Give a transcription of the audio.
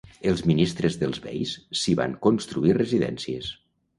Els ministres dels beis s'hi van construir residències.